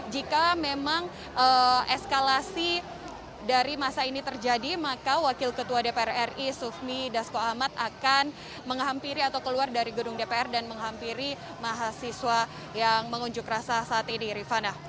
jika memang eskalasi dari masa ini terjadi maka wakil ketua dpr ri sufmi dasko ahmad akan menghampiri atau keluar dari gedung dpr dan menghampiri mahasiswa yang mengunjuk rasa saat ini rifana